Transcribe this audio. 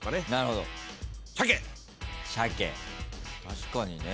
確かにね。